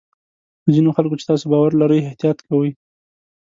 په ځینو خلکو چې تاسو باور لرئ احتیاط کوئ.